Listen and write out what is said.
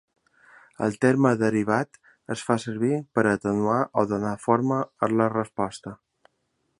El terme derivat es fa servir per atenuar o donar forma a la resposta.